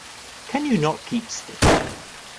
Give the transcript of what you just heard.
Can you not keep still?